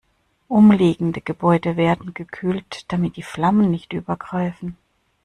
Umliegende Gebäude werden gekühlt, damit die Flammen nicht übergreifen.